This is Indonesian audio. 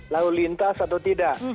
lalu lintas atau tidak